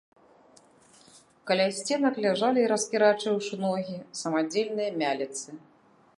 Каля сценак ляжалі, раскірачыўшы ногі, самадзельныя мяліцы.